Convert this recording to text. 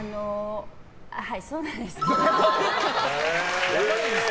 はい、そうなんです。